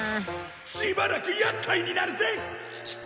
しばらくやっかいになるぜ！